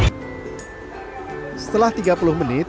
di sini saja yang paling dekat